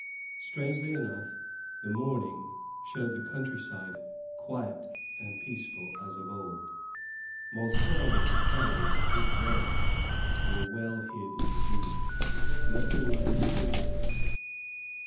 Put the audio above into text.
Strangely enough, the morning showed the countryside quiet and peaceful as of old. Monceux and his fellows, if there, were well hid indeed nothing might be seen of them.